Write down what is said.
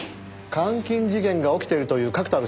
監禁事件が起きてるという確たる証拠だ。